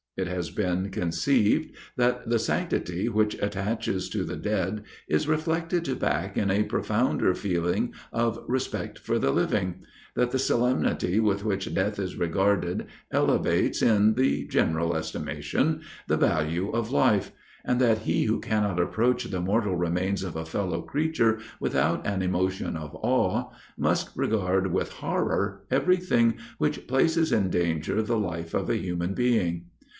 If has been conceived that the sanctity which attaches to the dead, is reflected back in a profounder feeling of respect for the living; that the solemnity with which death is regarded, elevates, in the general estimation, the value of life; and that he who cannot approach the mortal remains of a fellow creature without an emotion of awe, must regard with horror every thing which places in danger the life of a human being.